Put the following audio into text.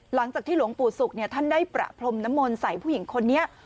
หลังจากที่หลวงปู่ศุกร์ท่านได้ประพรมน้ำมนต์ใส่ผู้หญิงคนนี้